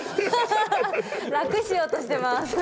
楽しようとしてます。